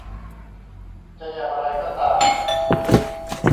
จะอย่างไรก็ตาม